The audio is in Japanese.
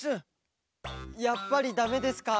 やっぱりだめですか。